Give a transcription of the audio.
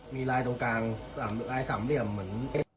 มีลายตรงกลางลายสามเหลี่ยมเหมือน